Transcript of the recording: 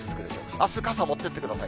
あす、傘持ってってください。